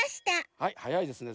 はいはやいですね